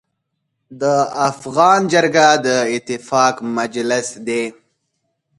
د افغان جرګه د اتفاق مجلس دی.